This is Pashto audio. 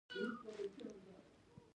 آیا د کورنۍ اقتصاد پر ښځو ولاړ دی؟